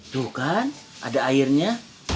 tuh kan ada airnya